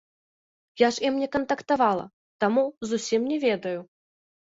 Я ж з ім не кантактавала, таму зусім не ведаю.